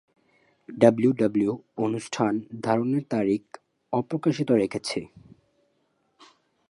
WWE অনুষ্ঠান ধারণের তারিখ অপ্রকাশিত রেখেছে।